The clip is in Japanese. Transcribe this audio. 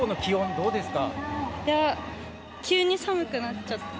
いや、急に寒くなっちゃって。